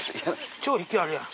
超引きあるやん。